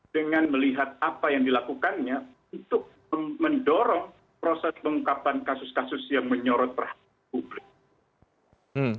dengan melihat apa yang dilakukannya untuk mendorong proses pengungkapan kasus kasus yang menyorot perhatian publik